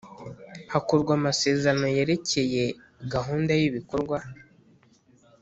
hakorwa amasezerano yerekeye gahunda y ibikorwa